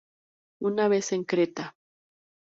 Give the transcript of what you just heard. Una vez en Creta.